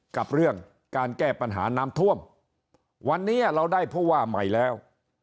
กับเรื่องการแก้ปัญหาน้ำท่วมวันนี้เราได้ผู้ว่าใหม่แล้ว